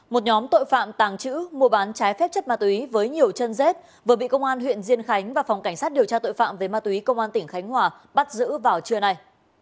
một nhóm tội phạm tàng chữ mua bán trái phép chất ma túy với nhiều chân rết vừa bị công an huyện diên khánh và phòng cảnh sát điều tra tội phạm về ma túy công an tỉnh khánh hòa bắt giữ vào trưa nay